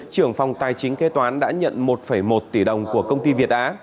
trưởng phòng tài chính kế toán đã nhận một một tỷ đồng của công ty việt á